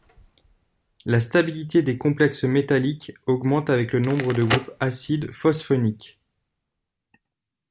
La stabilité des complexes métalliques augmente avec le nombre de groupes acide phosphonique.